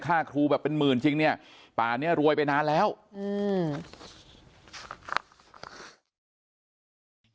ค่าครูแบบเป็นหมื่นจริงเนี้ยป่าเนี้ยรวยไปนานแล้วอืม